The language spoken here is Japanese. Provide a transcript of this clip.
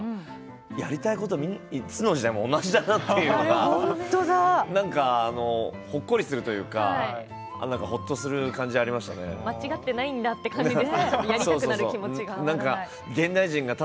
やりたいことはいつの時代も同じだなってほっこりするというか間違っていないんだという感じですね